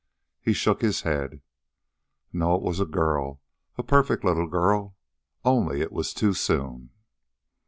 He shook his head. "No; it was a girl. A perfect little girl. Only... it was too soon."